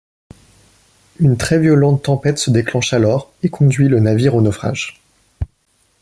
Une très violente tempête se déclenche alors et conduit le navire au naufrage.